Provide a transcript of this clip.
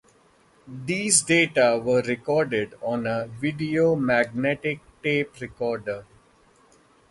These data were recorded on a video magnetic-tape recorder.